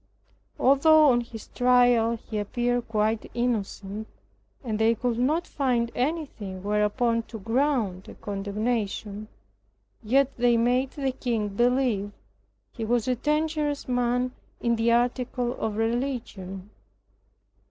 Although on his trial he appeared quite innocent, and they could not find anything whereupon to ground a condemnation, yet they made the king believe he was a dangerous man in the article of religion.